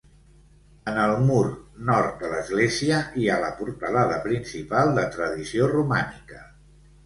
En el mur nord de l'església hi ha la portalada principal de tradició romànica.